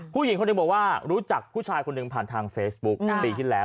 ผู้หญิงคนหนึ่งบอกว่ารู้จักผู้ชายคนหนึ่งผ่านทางเฟซบุ๊คปีที่แล้ว